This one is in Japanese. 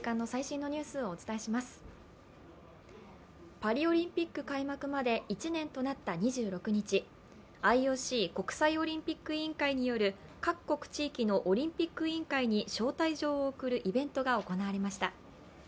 パリオリンピック開幕まで１年となった２６日、ＩＯＣ＝国際オリンピック委員会による各国・地域のオリンピック委員会に招待状を送るイベントが行われました。